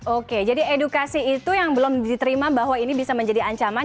oke jadi edukasi itu yang belum diterima bahwa ini bisa menjadi ancaman